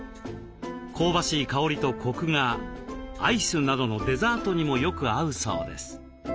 香ばしい香りとコクがアイスなどのデザートにもよく合うそうです。